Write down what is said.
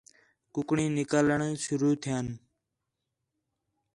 کُکڑیں نِکلݨ شروع تھیان